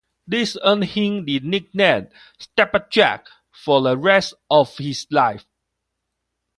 This earned him the nickname "Stabber Jack" for the rest of his life.